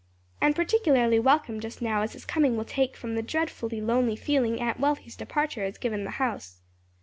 And particularly welcome just now as his coming will take from the dreadfully lonely feeling Aunt Wealthy's departure has given the house."